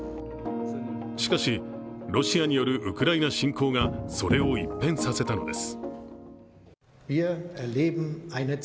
しかし、ロシアによるウクライナ侵攻がそれを一変させたのです。